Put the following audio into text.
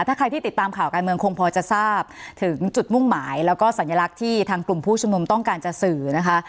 ถ้าใครที่ติดตามข่าวการเมืองคงพอจะทราบถึงจุดมุ่งหมายแล้วก็สัญลักษณ์ที่ทางกลุ่มผู้ชุมนุมต้องการจะสื่อนะคะ